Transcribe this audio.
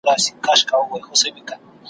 معجزه د خپل خالق یم، منترونه ماتومه `